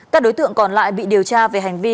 các đối tượng còn lại bị điều tra về hành vi